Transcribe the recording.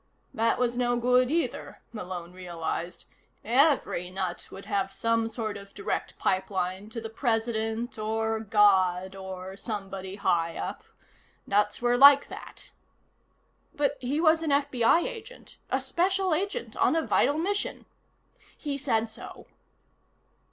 That was no good, either, Malone realized. Every nut would have some sort of direct pipeline to the President, or God, or somebody high up. Nuts were like that. But he was an FBI Agent. A special agent on a vital mission. He said so.